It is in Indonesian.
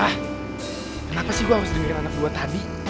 ah kenapa sih gua harus dengerin anak gua tadi